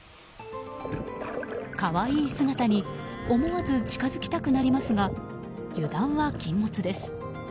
可愛い姿に思わず近づきたくなりますが油断は禁物です。